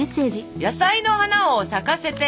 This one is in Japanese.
「野菜の花を咲かせて」。